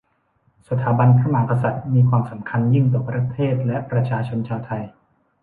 สถาบันพระมหากษัตริย์มีความสำคัญยิ่งต่อประเทศและประชาชนชาวไทย